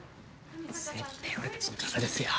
絶対俺たちの噂ですよ。